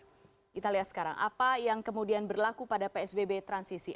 kita lihat sekarang apa yang kemudian berlaku pada psbb transisi